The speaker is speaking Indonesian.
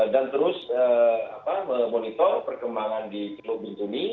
dan terus memonitor perkembangan di teluk bintuni